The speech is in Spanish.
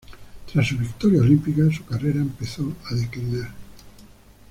Tras su victoria olímpica, su carrera empezó a declinar.